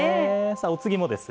お次もです。